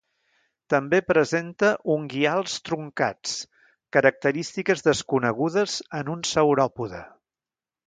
També presenta unguials truncats, característiques desconegudes en un sauròpode.